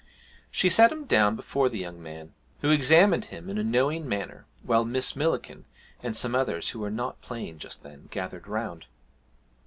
She set him down before the young man, who examined him in a knowing manner, while Miss Millikin, and some others who were not playing just then, gathered round.